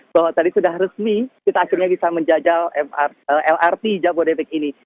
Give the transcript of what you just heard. bahwa tadi sudah resmi kita akhirnya bisa menjajal lrt jabodetabek ini